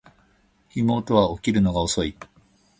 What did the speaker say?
妹は起きるのが遅い